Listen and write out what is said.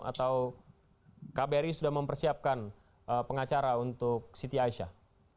atau kbri sudah mempersiapkan pengacara untuk siti aisyah